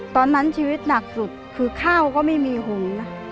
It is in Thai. ตอนนั้นชีวิตหนักสุดคือข้าวก็ไม่มีหุงนะ